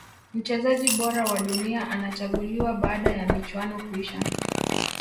mchezaji bora wa dunia anachuguliwa baada ya michuano kuisha